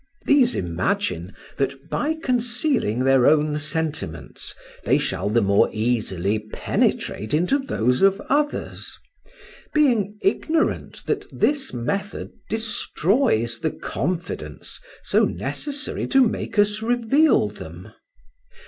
These imagine, that by concealing their own sentiments, they shall the more easily penetrate into those of others; being ignorant that this method destroys the confidence so necessary to make us reveal them.